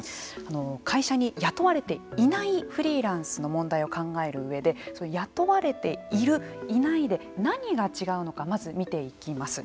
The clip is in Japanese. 会社に雇われていないフリーランスの問題を考える上で雇われているいないで何が違うのかまず見ていきます。